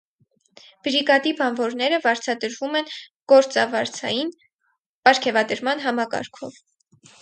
Բրիգադի բանվորները վարձատրվում են գործավարձային պարգևատրման համակարգով։